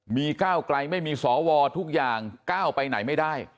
มีก้าวไกลไม่มีสวทุกอย่างก้าวไปไหนไม่ได้